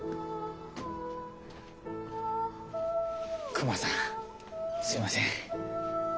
クマさんすいません。